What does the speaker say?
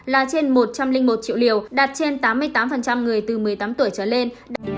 là trên một trăm linh một triệu liều đạt trên tám mươi tám người từ một mươi tám tuổi trở lên